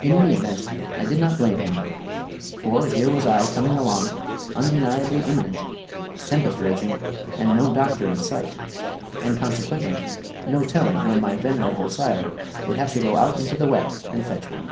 In any event I did not blame him, for here was I coming along, undeniably imminent, a tempest raging, and no doctor in sight, and consequently no telling when my venerable sire would have to go out into the wet and fetch one.